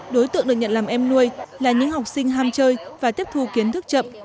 đối tượng được nhận làm em nuôi là những học sinh ham chơi và tiếp thu kiến thức chậm